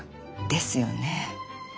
ですよね。